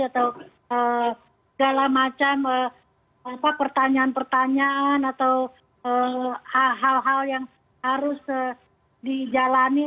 atau segala macam pertanyaan pertanyaan atau hal hal yang harus dijalani